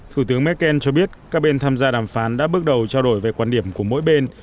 thủ tướng merkel cho biết các bên tham gia đàm phán đã bước đầu trao đổi về quan điểm của mỗi bên